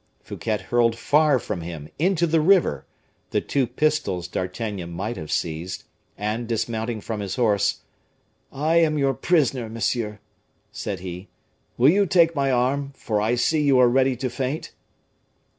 Fouquet hurled far from him, into the river, the two pistols D'Artagnan might have seized, and dismounting from his horse "I am your prisoner, monsieur," said he; "will you take my arm, for I see you are ready to faint?"